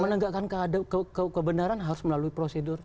menegakkan kebenaran harus melalui prosedur